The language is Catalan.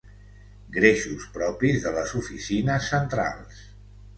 Greixos propis de les oficines centrals.